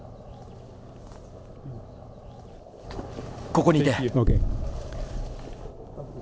ここにいて。